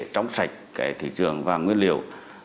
trong sạch cái thị trường vàng nguyên liệu